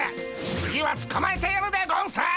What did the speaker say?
次はつかまえてやるでゴンス！